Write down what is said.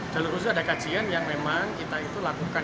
jalur khusus ada kajian yang memang kita itu lakukan